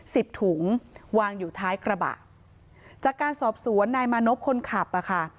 สิบถุงวางอยู่ท้ายกระบะจากการสอบสวนนายมานพคนขับอ่ะค่ะ